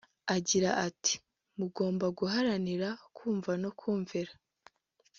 Agira ati “(Mugomba guharanira) Kumva no kumvira